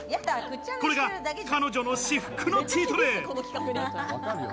これが彼女の至福のチートデイ。